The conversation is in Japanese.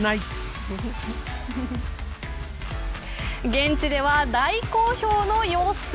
現地では大好評の様子。